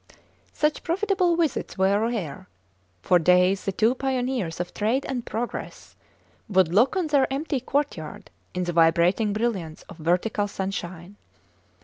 Such profitable visits were rare. For days the two pioneers of trade and progress would look on their empty courtyard in the vibrating brilliance of vertical sunshine.